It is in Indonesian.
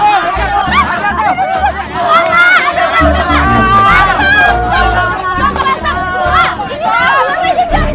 medien bajanya berbun burgers